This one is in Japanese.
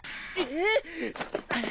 えっ！